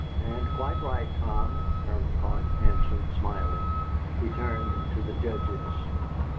"And quite right, Tom," Colonel Clark answered, smiling. He turned to the judges.